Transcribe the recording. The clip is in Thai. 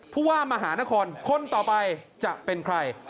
ผู้ว่ามหานครคนต่อไปจะเป็นใคร